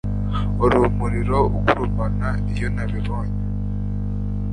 Wari umuriro ugurumana iyo nabibonye